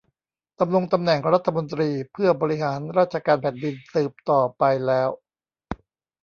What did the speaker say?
ดำรงตำแหน่งรัฐมนตรีเพื่อบริหารราชการแผ่นดินสืบต่อไปแล้ว